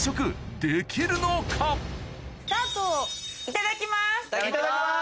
いただきます！